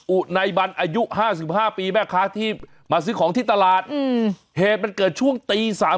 อุไนบันอายุห้าสิบห้าปีแม่ค้าที่มาซื้อของที่ตลาดอืมเหตุมันเกิดช่วงตีสาม